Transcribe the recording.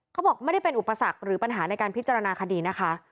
เขาบอกไม่ได้เป็นอุปสรรคหรือปัญหาในการพิจารณาคดีนะคะ